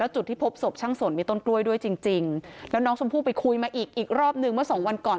จุดที่พบศพช่างสนมีต้นกล้วยด้วยจริงจริงแล้วน้องชมพู่ไปคุยมาอีกอีกรอบหนึ่งเมื่อสองวันก่อน